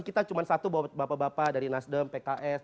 kita cuma satu buat bapak bapak dari nasdem pkn